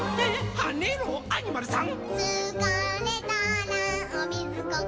はねろアニマルさん！」